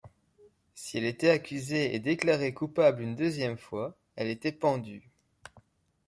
Si elle était accusée et déclarée coupable une deuxième fois, elle était pendue.